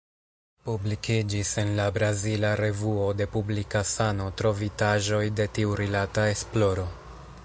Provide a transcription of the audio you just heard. Publikiĝis en la brazila Revuo de Publika Sano trovitaĵoj de tiurilata esploro.